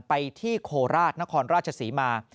ไปที่โคราชนครราชศรีมา